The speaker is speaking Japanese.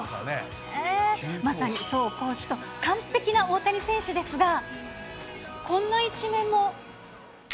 まさに走攻守と完璧な大谷選手ですが、こんな一面も。